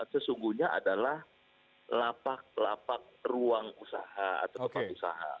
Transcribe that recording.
sesungguhnya adalah lapak lapak ruang usaha atau tempat usaha